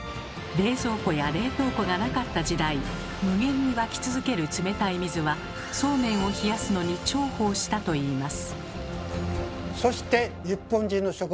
冷蔵庫や冷凍庫がなかった時代無限に湧き続ける冷たい水はそうめんを冷やすのに重宝したといいます。